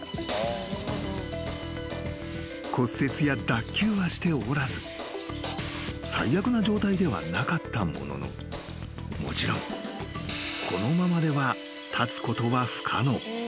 ［骨折や脱臼はしておらず最悪な状態ではなかったもののもちろんこのままでは］